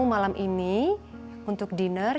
malam ini untuk diner